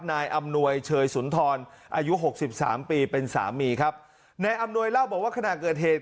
นายอำนวยเชยสุนทรอายุหกสิบสามปีเป็นสามีครับนายอำนวยเล่าบอกว่าขณะเกิดเหตุ